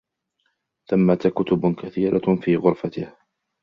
ثمة كتب كثيرة في غرفته.